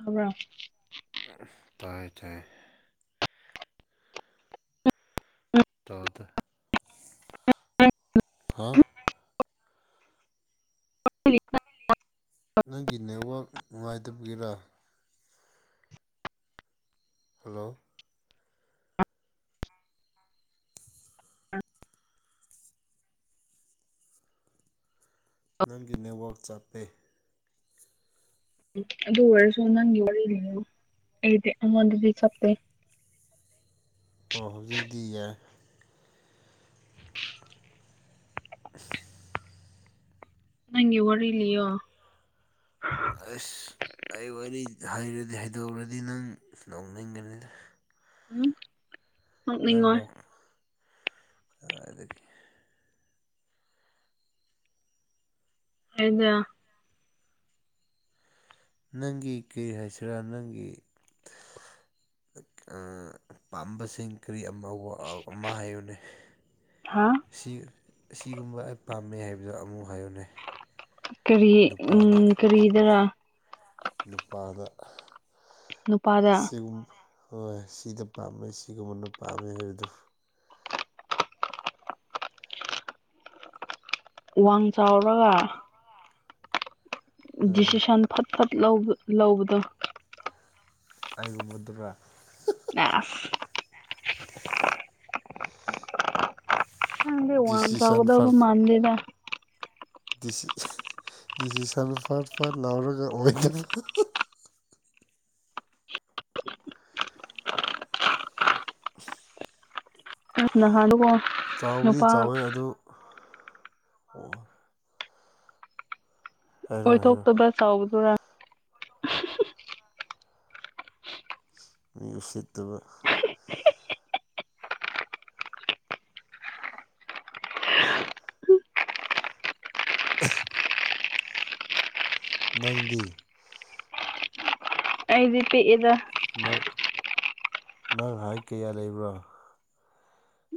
ꯊꯝꯔꯝ ꯇꯥꯏ ꯇꯥꯏ ꯇꯥꯗ ꯍꯥ [unintelligible] ꯅꯪꯒꯤ ꯅꯦꯠꯋꯥꯛ ꯅꯨꯡꯉꯥꯏꯇꯕꯒꯤꯔꯥ ꯍꯜꯂꯣ ꯅꯪꯒꯤ ꯅꯦꯠꯋꯥꯛ ꯆꯠꯄꯦ [unintelligible] ꯑꯗꯨ ꯋꯥꯔꯁꯨꯁꯨ ꯅꯪ ꯌꯗꯤꯗꯤꯁꯞꯦ [unintelligible] ꯑꯣ ꯍꯧꯖꯤꯛꯗꯤ ꯌꯥꯏ [unintelligible] ꯅꯪꯒꯤ ꯋꯥꯔꯂꯑꯣ ꯑꯁ ꯑꯩ ꯋꯥꯔꯤꯔꯗꯤ ꯍꯥꯏꯩꯗꯣꯛꯔꯗꯤ ꯅꯪ ꯅꯧꯅꯤꯡꯒꯅꯤꯗ ꯎꯝ ꯅꯣꯛꯅꯤꯡꯉꯣꯏ ꯅꯪꯅꯣꯛ ꯑꯗꯨꯗꯒꯤ ꯍꯥꯏꯗ ꯅꯪꯒꯤ ꯀꯔꯤ ꯍꯥꯏꯁꯤꯔꯥ ꯅꯪꯒꯤ ꯑ ꯄꯥꯝꯕꯁꯤꯡ ꯀꯔꯤ ꯑꯃ ꯍꯥꯏꯌꯨꯅꯦ ꯍꯥ ꯁꯤ ꯑꯁꯤꯒꯨꯝꯕ ꯑꯩ ꯄꯥꯝꯃꯦ ꯍꯥꯏꯕꯗꯣ ꯑꯃꯨꯛ ꯍꯥꯏꯌꯨꯅꯩ ꯀꯔꯤ ꯅꯨꯄꯥꯗ ꯎꯝ ꯀꯔꯤꯗꯔ ꯅꯨꯄꯥꯗ ꯅꯨꯄꯥꯗ ꯁꯤꯒꯨꯝꯕ ꯍꯣꯏ ꯁꯤꯅ ꯄꯥꯝꯃꯦ ꯁꯤꯒꯨꯝꯕꯅ ꯄꯥꯝꯃꯦ ꯍꯥꯏꯕꯗꯨꯣ ꯋꯥꯡ ꯆꯥꯎꯔꯒ ꯎꯝ ꯗꯤꯁꯤꯁꯟ ꯐꯠ ꯐꯠ ꯂꯧꯕꯗꯣ ꯑꯩꯒꯨꯝꯕꯗꯨꯔ ꯑꯁ ꯗꯤꯁꯤꯁꯟ ꯃꯥꯟꯁꯧꯒꯗꯕ ꯐꯔ ꯃꯟꯖꯦꯗ ꯗꯤꯁꯤꯁꯟ ꯐꯥꯠ ꯄꯥꯠ ꯂꯥꯎꯔꯒ ꯑꯣꯏꯒꯅꯤ ꯅꯍꯥꯟꯗ ꯀꯣ ꯆꯥꯎꯕꯨꯗꯤ ꯆꯥꯎꯋꯦ ꯑꯗꯨ ꯑꯣ ꯑꯣꯏꯣꯏ ꯍꯥꯏꯔꯣ ꯊꯣꯛꯣꯛꯇꯕ꯭ꯔ ꯆꯥꯎꯕꯗꯨꯔꯥ ꯃꯤ ꯎ ꯎꯆꯠꯇꯕ [unintelligible] ꯅꯪꯗꯤ ꯑꯩꯗꯤ ꯄꯤ ꯏꯗ ꯅ ꯅꯍꯪꯍꯥꯏ ꯀꯌꯥ ꯂꯩꯕ꯭ꯔꯥ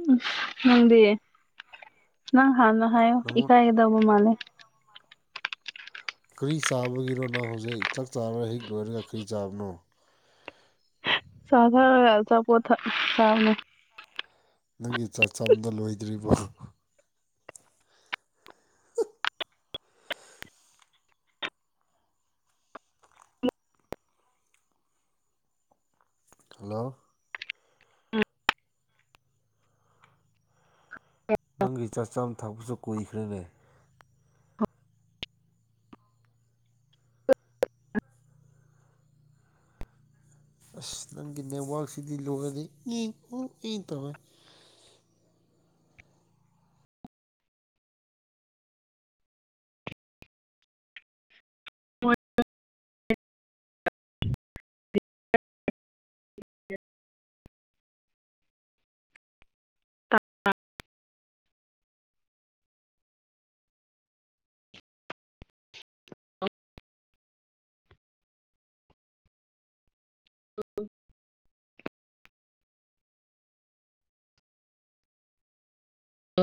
ꯎꯝ ꯅꯪꯗꯤ ꯅꯪ ꯍꯥꯟꯅ ꯍꯥꯏꯌꯣ ꯅꯪꯉꯣꯟ ꯏꯀꯥꯏꯒꯗꯧꯕ ꯃꯥꯜꯂꯦ ꯀꯔꯤ ꯆꯥꯕꯒꯤꯔꯣ ꯅꯪ ꯍꯧꯖꯤꯛ ꯆꯥꯛ ꯆꯥꯔ ꯍꯛ ꯂꯣꯏꯔꯒ ꯀꯔꯤ ꯆꯥꯕꯅꯣ ꯁꯥꯙꯥ ꯌꯥ ꯆꯄꯣꯊ ꯁꯅ ꯅꯪꯒꯤ ꯆꯥꯛꯆꯝꯗ ꯂꯣꯏꯗ꯭ꯔꯤꯕꯣ ꯍꯜꯂꯣ ꯅꯪꯒꯤ ꯆꯥꯛ ꯆꯥꯝ ꯊꯛꯄꯁꯨ ꯀꯨꯏꯈ꯭ꯔꯦꯅꯦ ꯑꯁ ꯅꯪꯒꯤ ꯅꯦꯠꯋꯥꯛꯁꯤꯗꯤ ꯂꯣꯏꯔꯗꯤ ꯏ ꯑꯣ ꯏ ꯇꯧꯃꯦꯦ ꯍ [unintelligible] ꯑ ꯎ